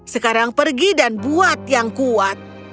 sekarang pergi dan buat yang kuat